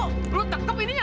kalau tetap ininya